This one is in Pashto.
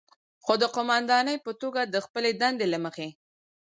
خو د قوماندانې په توګه د خپلې دندې له مخې،